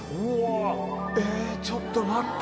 えぇちょっと待って。